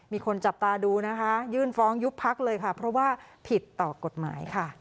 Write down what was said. มีคนจับตาดูนะคะยื่นฟ้องยุบพักเลยค่ะเพราะว่าผิดต่อกฎหมายค่ะ